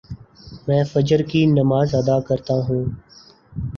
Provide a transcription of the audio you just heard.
میں فجر کی نماز ادا کر تاہوں